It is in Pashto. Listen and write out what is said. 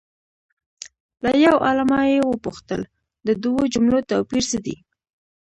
له یو عالمه یې وپوښتل د دوو جملو توپیر څه دی؟